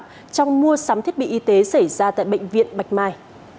trong mua sắm thiết bị y tế xảy ra tại bệnh viện bạch mai